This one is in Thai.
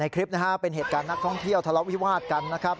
คลิปนะฮะเป็นเหตุการณ์นักท่องเที่ยวทะเลาะวิวาดกันนะครับ